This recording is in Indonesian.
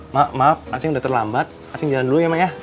maaf maaf asing udah terlambat asing jalan dulu ya mak ya